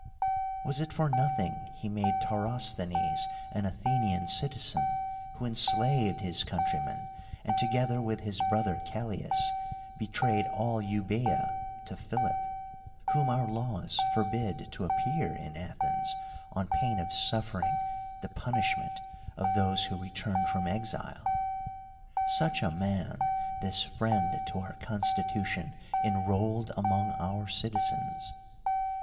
Was it for nothing he made Taurosthenes an Athenian citizen, who enslaved his countrymen, and, together with his brother Callias, betrayed all Euboea to Philip? whom our laws forbid to appear in Athens on 23 S DIN ARCHUS pain of suffering the punishment of those who return from exile. Such a man this friend to our constitution enrolled among our citizens.